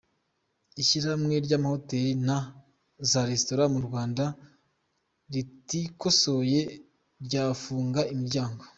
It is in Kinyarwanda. Ishyirahamwe ry’amahoteli na za Resitora mu Rwanda ritikosoye ryafunga imiryango